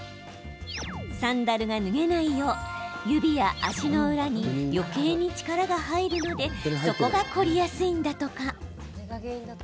サンダルが脱げないよう指や足の裏によけいに力が入るのでそこが凝りやすいんだとか。